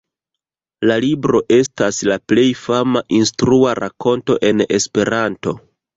La libro estas la plej fama instrua rakonto en Esperanto.